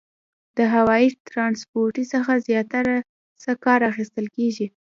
د هوایي ترانسپورتي څخه زیاتره څه کار اخیستل کیږي؟